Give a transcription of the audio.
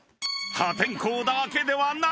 ［破天荒だけではない］